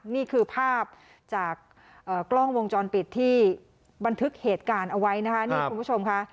นี่คือภาพจากกล้องวงจรปิดที่บันทึกเหตุการณ์เอาไว้นะคะนี่คุณผู้ชมค่ะ